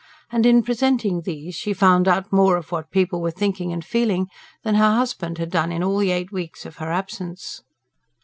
And in presenting these, she found out more of what people were thinking and feeling than her husband had done in all the eight weeks of her absence.